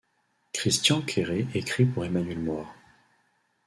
Christian Querré écrit pour Emmanuel Moire.